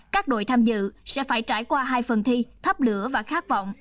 các đội tham dự sẽ phải trải qua hai phần thi thắp lửa và khát vọng